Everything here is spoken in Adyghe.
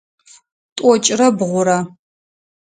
Тӏокӏырэ бгъурэ.